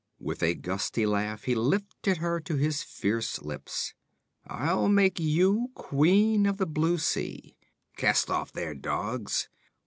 With a gusty laugh he lifted her to his fierce lips. 'I'll make you Queen of the Blue Sea! Cast off there, dogs!